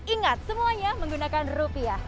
ingat semuanya menggunakan rupiah